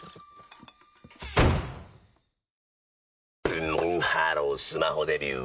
ブンブンハロースマホデビュー！